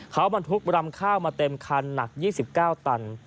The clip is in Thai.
เขาบรรทุกรำข้าวมาเต็มคันหนัก๒๙ตัน